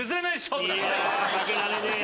負けられねえよ！